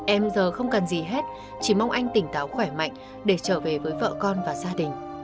em giờ không cần gì hết chỉ mong anh tỉnh táo khỏe mạnh để trở về với vợ con và gia đình